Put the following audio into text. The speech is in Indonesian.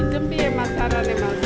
ini lebih masalahnya